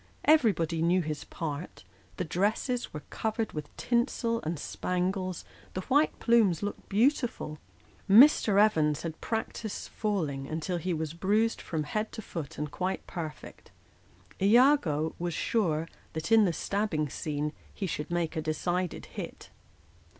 Everybody knew his part : the dresses were covered with tinsel and spangles ; the white plumes looked beautiful ; Mr. Evans had practised falling until he was bruised from head to foot and quite perfect ; lago was sure that, in the stabbing scene, he should make " a decided hit."